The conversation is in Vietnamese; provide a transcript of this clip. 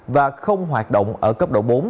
và không hoạt động ở cấp độ bốn